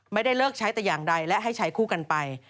ไม่ได้เลิกใช้แต่อย่างใดและให้ใช้คู่กันไป